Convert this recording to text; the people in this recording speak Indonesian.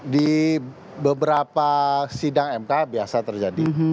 di beberapa sidang mk biasa terjadi